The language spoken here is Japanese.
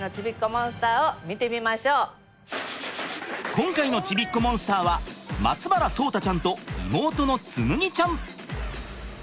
それでは今回のちびっこモンスターは松原聡太ちゃんと妹の紬ちゃん。